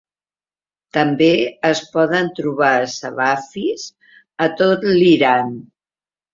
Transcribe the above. També es poden trobar "Savafis" a tot l'Iran.